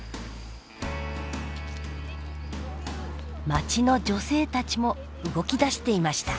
町の女性たちも動き出していました。